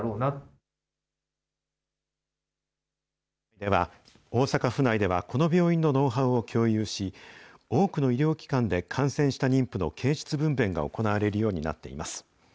では、大阪府内では、この病院のノウハウを共有し、多くの医療機関で感染した妊婦の経ちつ分べんが行われるようになっています。